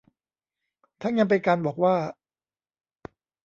ทั้งยังเป็นการบอกว่า